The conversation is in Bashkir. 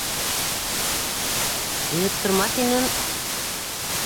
Инеп тормаҫ инем...